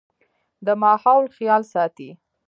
د ماحول خيال ساتئ